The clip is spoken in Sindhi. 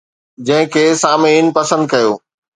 جنهن کي سامعين پسند ڪيو